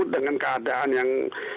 dengan keadaan yang